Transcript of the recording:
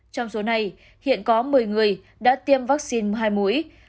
trong số này hiện có một mươi người đã tiêm vaccine hai mũi